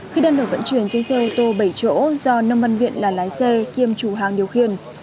khi đang được vận chuyển trên xe ô tô bảy chỗ do nông văn viện là lái xe kiêm chủ hàng điều khiển